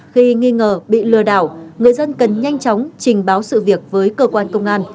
khi nghi ngờ bị lừa đảo người dân cần nhanh chóng trình báo sự việc với cơ quan công an